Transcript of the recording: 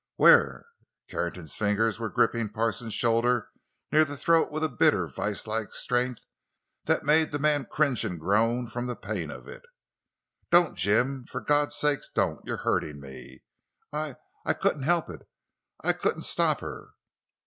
"Where?" Carrington's fingers were gripping Parsons' shoulder near the throat with a bitter, viselike strength that made the man cringe and groan from the pain of it. "Don't, Jim; for God's sake, don't! You're hurting me! I—I couldn't help it; I couldn't stop her!"